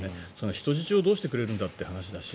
人質をどうしてくれるんだという話だし。